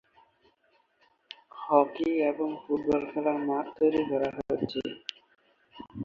Hockey ও football খেলার মাঠ তৈরী করা হচ্ছে।